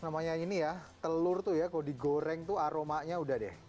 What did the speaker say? namanya ini ya telur itu ya kalau digoreng itu aromanya sudah deh